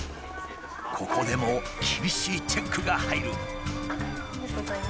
ここでも厳しいチェックが入る。